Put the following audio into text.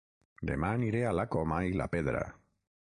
Dema aniré a La Coma i la Pedra